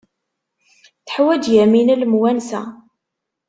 Teḥwaj Yamina lemwansa?